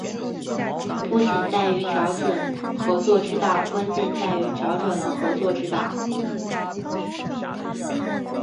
不仅在于找准合作之道，关键在于找准了合作之道